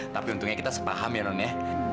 tapi untungnya kita sepaham ya nonnya